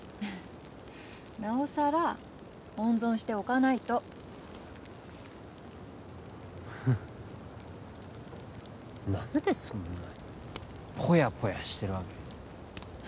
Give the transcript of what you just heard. なおさら温存しておかないとふっ何でそんなポヤポヤしてるわけ？